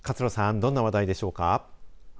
どんな話題でしょうか。